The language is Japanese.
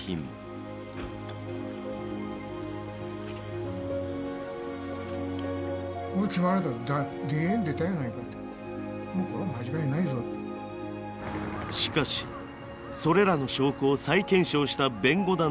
しかしそれらの証拠を再検証した弁護団の見解は。